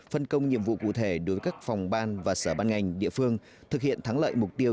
phân công nhiệm vụ cụ thể đối với các phòng ban và sở ban ngành địa phương thực hiện thắng lợi mục tiêu